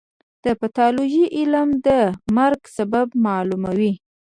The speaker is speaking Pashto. د پیتالوژي علم د مرګ سبب معلوموي.